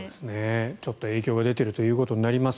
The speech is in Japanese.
ちょっと影響が出ているということになります。